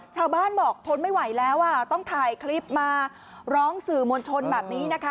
ชาวบ้านบอกทนไม่ไหวแล้วอ่ะต้องถ่ายคลิปมาร้องสื่อมวลชนแบบนี้นะคะ